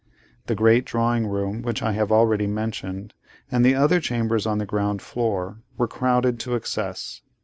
The great drawing room, which I have already mentioned, and the other chambers on the ground floor, were crowded to excess.